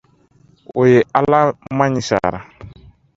U ye alamaɲi sara.